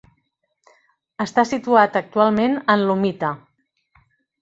Està situat actualment en Lomita.